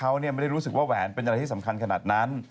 เขาไม่ได้รู้สึกว่าแหวนเป็นอะไรที่สำคัญขนาดนั้น